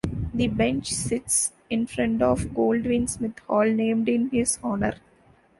The bench sits in front of Goldwin Smith Hall, named in his honour.